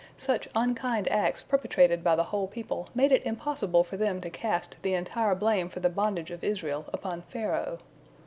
Such unkind acts perpetrated by the whole people made it impossible for them to cast the entire blame for the bondage of Israel upon Pharaoh.